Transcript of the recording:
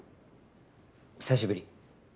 久しぶり。